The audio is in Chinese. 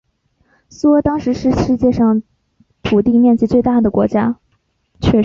苏俄是当时世界上土地面积最大的国家。